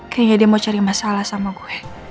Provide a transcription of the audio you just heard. kayaknya dia mau cari masalah sama gue